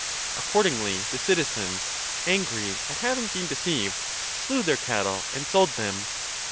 Accordingly the citizens, angry at having been deceived, slew their cattle and sold them.